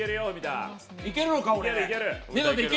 いけるのか、俺。